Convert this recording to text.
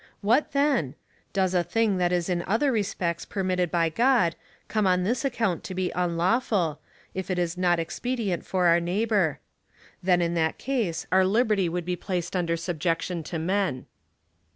" What then?^ Does a thing that is in other respects permitted by God, come on this account to be unlawful — if it is not ex pedient for our neighbour. Then in that case our liberty would be placed under subjection to men."